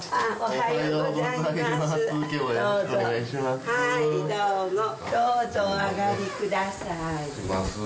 おはようございます。